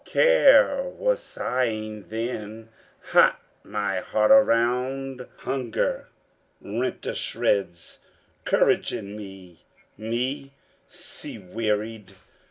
Care was sighing then Hot my heart around; hunger rent to shreds Courage in me, me sea wearied!